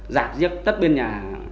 giả giết tất biên nhà